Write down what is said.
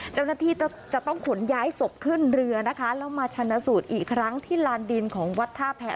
เจ้าหน้าที่จะต้องขนย้ายศพขึ้นเรือนะคะแล้วมาชนะสูตรอีกครั้งที่ลานดินของวัดท่าแผ่